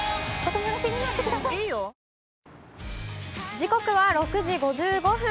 時刻は６時５５分。